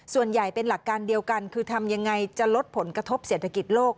ส่วนใหญ่เป็นหลักการเดียวกันคือทำยังไงจะลดผลกระทบเศรษฐกิจโลก